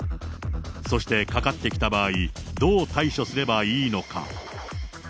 そしてかかってきた場合、どう対処すればいいのか。